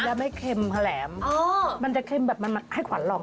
แล้วไม่เค็มค่ะแหลมมันจะเค็มแบบมันให้ขวัญหรอก